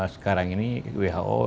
sekarang ini who